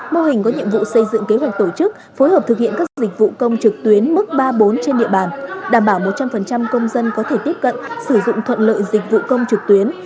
mô hình có nhiệm vụ xây dựng kế hoạch tổ chức phối hợp thực hiện các dịch vụ công trực tuyến mức ba bốn trên địa bàn đảm bảo một trăm linh công dân có thể tiếp cận sử dụng thuận lợi dịch vụ công trực tuyến